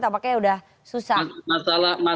apakah ya sudah susah